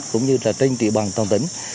cũng như là trên địa bàn toàn tỉnh